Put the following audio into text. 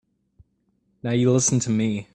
Now you listen to me.